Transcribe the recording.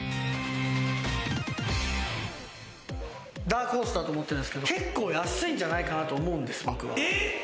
ダークホースだと思ってるんすけど結構安いんじゃないかと思う。